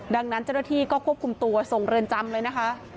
ดังนั้นเจ้าหน้าที่ก็ควบคุมตัวส่งเรือนจำเลยนะคะ